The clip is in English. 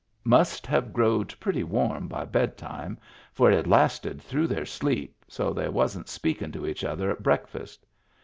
Must have growed pretty warm by bedtime, for it had lasted through their sleep so they wasn't speakin' to each other at breakfast.